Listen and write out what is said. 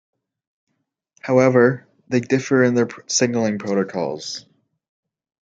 However, they differ in their signaling protocols.